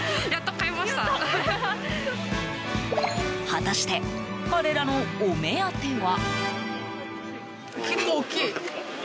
果たして彼らのお目当ては。